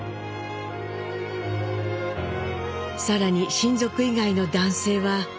更に親族以外の男性は。